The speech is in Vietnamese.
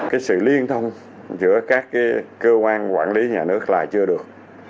cái sự liên thông giữa các cơ quan quản lý nhà nước là chưa được